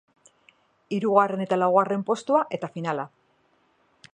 Hirugarren eta laugarren postua eta finala.